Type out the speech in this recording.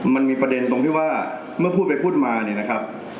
มันมีประเด็นตรงที่ว่าเมื่อพูดไปพูดมาเนี่ยนะครับ